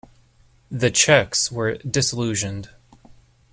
The Czechs were disillusioned.